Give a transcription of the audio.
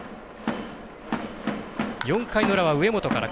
４回の裏は、上本から。